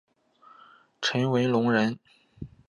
陈文龙人。